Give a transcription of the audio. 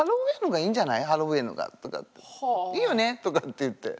「いいよね」とかって言って。